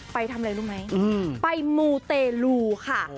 ไปทำอะไรรู้ไหมไปมูเตลูค่ะ